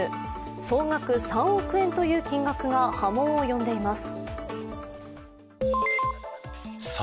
総額３億円という金額が波紋を呼んでいます。